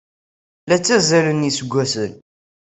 La ttazzalen yiseggasen.